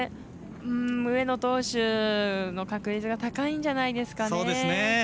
上野投手の確率が高いんじゃないですかね。